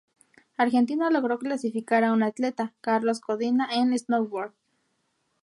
Argentina logró clasificar a un atleta, Carlos Codina en Snowboard.